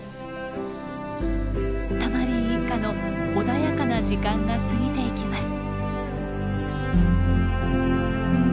タマリン一家の穏やかな時間が過ぎていきます。